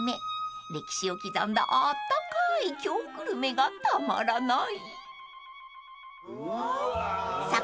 ［歴史を刻んだあったかい京グルメがたまらない！］